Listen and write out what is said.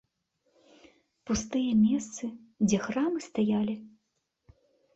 Пустыя месцы, дзе храмы стаялі?